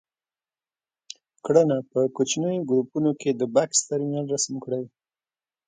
کړنه: په کوچنیو ګروپونو کې د بکس ترمینل رسم کړئ.